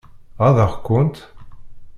Ɣaḍeɣ-kent?